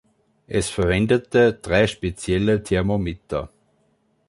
Es verwendete drei spezielle Thermometer.